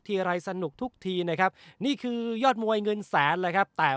อะไรสนุกทุกทีนะครับนี่คือยอดมวยเงินแสนเลยครับแต่